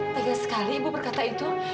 tegas sekali ibu berkata itu